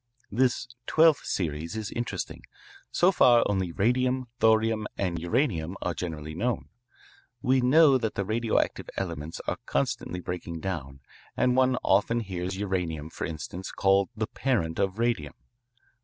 "This twelfth series is interesting. So far only radium, thorium, and uranium are generally known. We know that the radioactive elements are constantly breaking down, and one often hears uranium, for instance, called the 'parent' of radium.